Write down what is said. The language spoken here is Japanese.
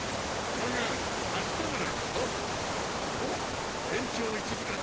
だが、あしたならいいぞ。